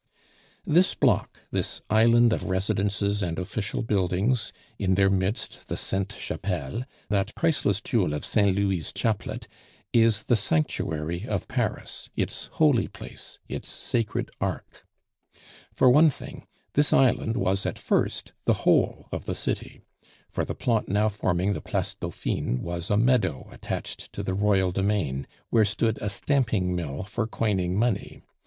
This block, this island of residences and official buildings, in their midst the Sainte Chapelle that priceless jewel of Saint Louis' chaplet is the sanctuary of Paris, its holy place, its sacred ark. For one thing, this island was at first the whole of the city, for the plot now forming the Place Dauphine was a meadow attached to the Royal demesne, where stood a stamping mill for coining money.